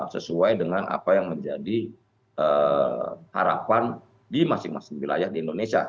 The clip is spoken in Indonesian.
sesuai dengan apa yang menjadi harapan di masing masing wilayah di indonesia